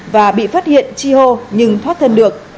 và bị phát hiện chi hô nhưng thoát thân được